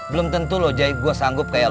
belum tentu loh jai gue sanggup kayak elu